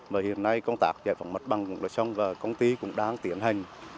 và hiện nay công tác giải phóng mật bằng cũng đã xong và công ty cũng đang tiến hành